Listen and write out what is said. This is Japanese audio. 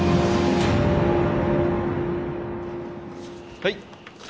はい。